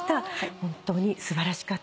本当に素晴らしかったです。